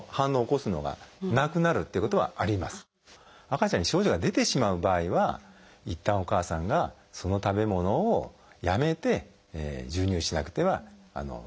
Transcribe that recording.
赤ちゃんに症状が出てしまう場合はいったんお母さんがその食べ物をやめて授乳しなくてはいけません。